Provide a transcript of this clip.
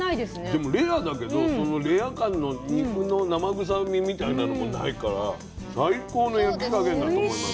でもレアだけどそのレア感の肉の生臭みみたいなのもないから最高の焼き加減だと思います。